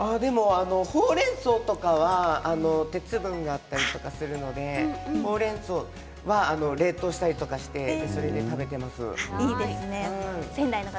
ほうれんそうとかは鉄分があったりするのでほうれんそうは冷凍したりして食べています。